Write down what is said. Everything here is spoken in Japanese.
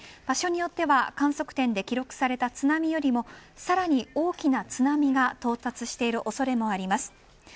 場所によっては観測点で記録された津波よりもさらに大きな津波が到達している恐れがあります。